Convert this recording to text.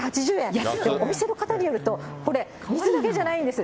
お店の方によると、これ、水だけじゃないんです。